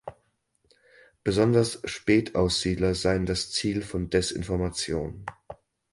Besonders Spätaussiedler seien das Ziel von Desinformation.